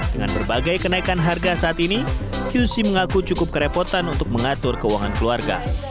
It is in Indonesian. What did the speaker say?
dengan berbagai kenaikan harga saat ini qi mengaku cukup kerepotan untuk mengatur keuangan keluarga